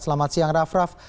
selamat siang raff raff